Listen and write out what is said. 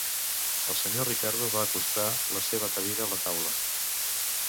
El senyor Ricardo va acostar la seva cadira a la taula.